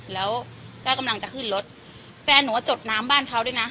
แล้วก็กำลังจะขึ้นรถแฟนหนูก็จดน้ำบ้านเขาด้วยนะ